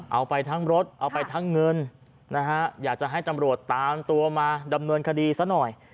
เอาไปทั้งรถเอาไปทั้งเงินนะฮะอยากจะให้ตำรวจตามตัวมาดำเนินคดีซะหน่อย